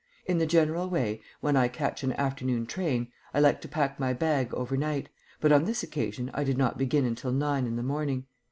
In the general way, when I catch an afternoon train, I like to pack my bag overnight, but on this occasion I did not begin until nine in the morning.